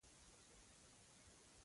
په تنار یې ګل صنمې او مستو ته پام شو.